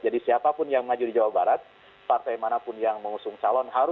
jadi siapapun yang maju di jawa barat partai manapun yang mengusung calon